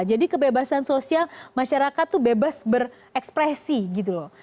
jadi kebebasan sosial masyarakat itu bebas berekspresi gitu loh